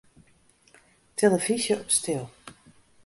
Tillefyzje op stil.